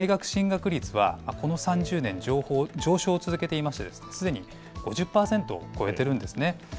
女性の大学進学率は、この３０年、上昇を続けていまして、すでに５０％を超えてるんですね。